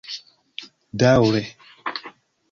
daŭre